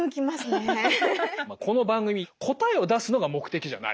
この番組答えを出すのが目的じゃない。